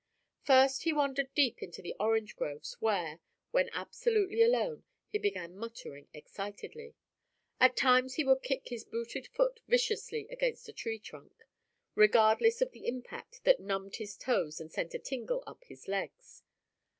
First he wandered deep into the orange groves, where—when absolutely alone—he began muttering excitedly. At times he would kick his booted foot viciously against a tree trunk, regardless of the impact that numbed his toes and sent a tingle up his legs.